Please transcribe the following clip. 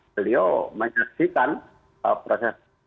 beliau menyaksikan proses